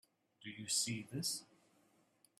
Do you see this?